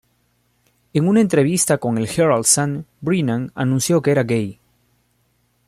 En una entrevista con el "Herald Sun", Brennan anunció que era gay.